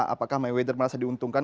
apakah mayweather merasa diuntungkan